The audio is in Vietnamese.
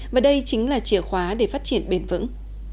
và đây chính là chìa khóa để phát triển bền vững